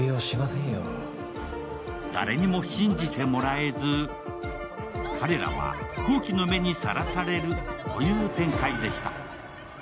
誰にも信じてもらえず彼らは好奇の目にさらされるという展開でした。